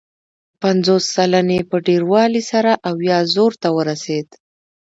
پنځوس سلنې په ډېروالي سره اویا زرو ته ورسېد.